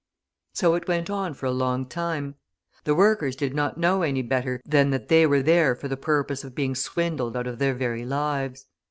So it went on for a long time. The workers did not know any better than that they were there for the purpose of being swindled out of their very lives.